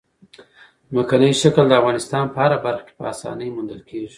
ځمکنی شکل د افغانستان په هره برخه کې په اسانۍ موندل کېږي.